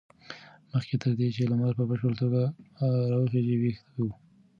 مخکې تر دې چې لمر په بشپړه توګه راوخېژي ویښ و.